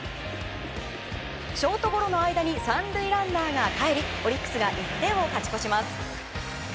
ショートゴロの間に３塁ランナーがかえりオリックスが１点を勝ち越します。